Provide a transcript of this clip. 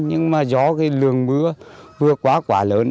nhưng mà gió thì lường mưa vừa quá quả lớn